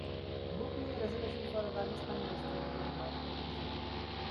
Book me a reservation for a rajasthani restaurant in Micronesia